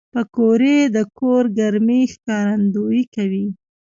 پکورې د کور ګرمۍ ښکارندويي کوي